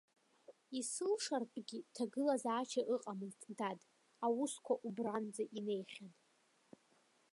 Исылшартәгьы ҭагылазаашьа ыҟамызт, дад, аусқәа убранӡа инеихьан.